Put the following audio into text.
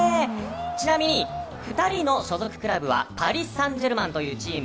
ちなみに、２人の所属クラブはパリ・サンジェルマンというチーム。